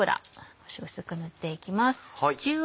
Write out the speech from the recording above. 少し薄く塗っていきます。